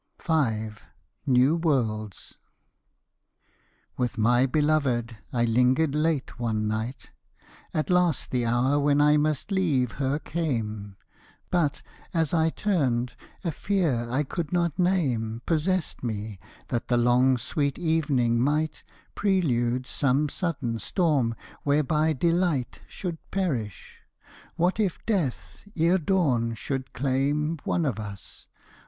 V. NEW WORLDS. With my beloved I lingered late one night. At last the hour when I must leave her came: But, as I turned, a fear I could not name Possessed me that the long sweet evening might Prelude some sudden storm, whereby delight Should perish. What if Death, ere dawn, should claim One of us?